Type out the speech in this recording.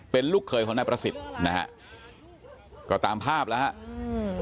เป็นลูกเคยของนายประสิทธิ์นะฮะก็ตามภาพแล้วฮะอืม